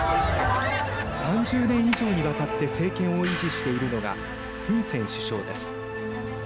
３０年以上にわたって政権を維持しているのがフン・セン首相です。